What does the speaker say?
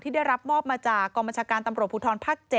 ที่ได้รับมอบมาจากกองบรรชาการตำรวจพุทธรพ๗